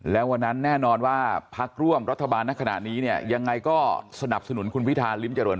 และวันนั้นแน่นอนว่าพักร่วมรัฐบาลณขณะนี้ยังไงก็สนับสนุนคุณพิทาฤิมจรวรรยัช